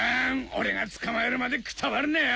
俺が捕まえるまでくたばるなよ！